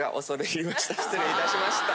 失礼いたしました。